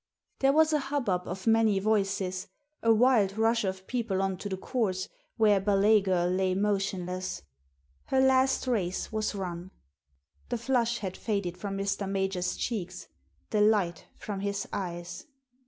There was a hubbub of many voices, a wild rush of people on to the course, where Ballet Girl lay motion less. Her last race was run. The flush had faded from Mr. Major's cheeks, the light from his eyes.